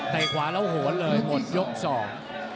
ขวาแล้วโหนเลยหมดยกสอง